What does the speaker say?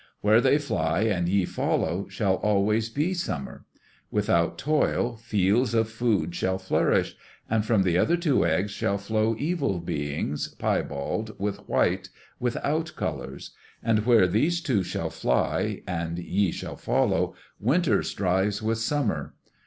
Where they fly and ye follow, shall always be summer. Without toil, fields of food shall flourish. And from the other two eggs shall come evil beings, piebald, with white, without colors. And where these two shall fly and ye shall follow, winter strives with summer.